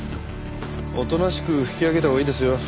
おとなしく引き揚げたほうがいいですよ。